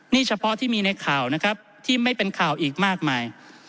นี่เฉพาะที่มีในข่าวนะครับที่ไม่เป็นข่าวอีกมากมาย